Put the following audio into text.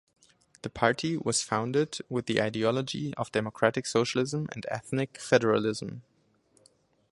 The party was founded with the ideology of democratic socialism and ethnic federalism.